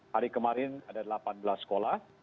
hari kemarin ada delapan belas sekolah